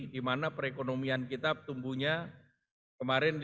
di mana perekonomian kita tumbuhnya kemarin